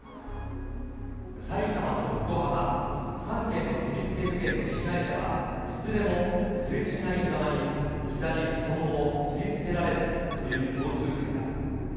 埼玉と横浜、３件の切りつけ事件の被害者は、いずれもすれ違いざまに左太ももを切りつけられるという共通点が。